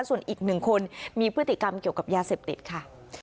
ส่วนอีกหนึ่งคนมีพฤติกรรมเกี่ยวกับยาเสพติดค่ะ